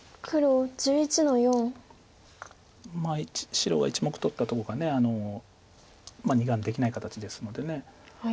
白が１目取ったとこが２眼できない形ですので。